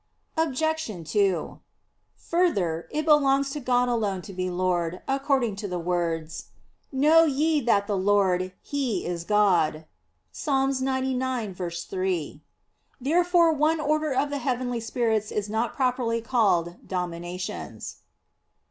Obj. 2: Further, it belongs to God alone to be Lord, according to the words, "Know ye that the Lord He is God" (Ps. 99:3). Therefore one order of the heavenly spirits is not properly called "Dominations."